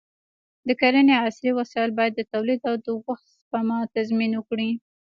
د کرنې عصري وسایل باید د تولید او د وخت سپما تضمین وکړي.